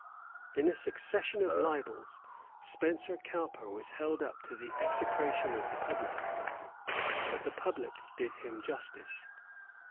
In a succession of libels Spencer Cowper was held up to the execration of the public. But the public did him justice.